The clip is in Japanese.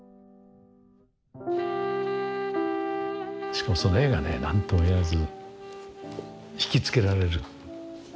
しかもその絵がね何とも言えず引き付けられる。